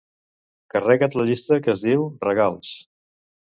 Carrega't la llista que es diu "regals".